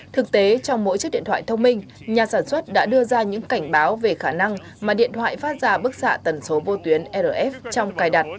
thực tế trong mỗi chiếc điện thoại thông minh nhà sản xuất đã đưa ra những cảnh báo về khả năng mà điện thoại phát ra bức xạ tần số vô tuyến rf trong cài đặt